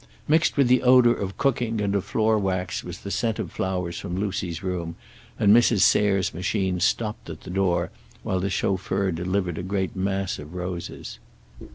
Mixed with the odor of cooking and of floor wax was the scent of flowers from Lucy's room, and Mrs. Sayre's machine stopped at the door while the chauffeur delivered a great mass of roses.